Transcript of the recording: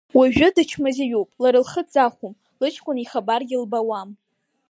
Уажәы дычмазаҩуп лара лхы дзахәом, лыҷкәын ихабаргьы лбауам.